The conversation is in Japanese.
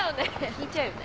引いちゃうよね。